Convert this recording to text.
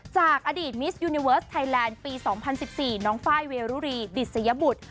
จากอดีตมิสยูนิเวิร์สไทยแลนด์ปี๒๐๑๔น้องไฟล์เวรุรีบิสยบุตร